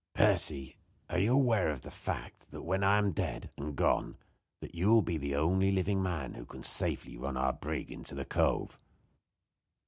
"Percy, are you aware of the fact that when I am dead and gone that you will be the only living man who can safely run our brig into the Cove?"